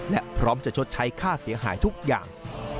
และพร้อมจะชดใช้ค่าเสียหายทุกอย่าง